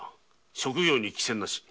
職業に貴賎なし。